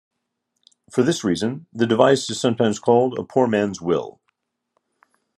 For this reason, the device is sometimes called a "poor man's will".